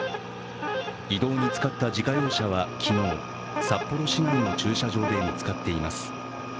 移動に使った自家用車は昨日札幌市内の駐車場で見つかっています。